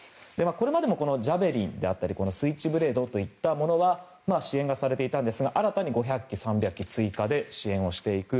これまでも、ジャベリンやスイッチブレードといったものは支援がされていたんですが新たに５００基、３００基追加で支援をしていく。